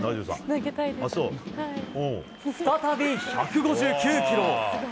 再び、１５９キロ。